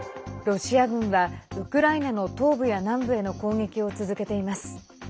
ロシア軍はウクライナの東部や南部への攻撃を続けています。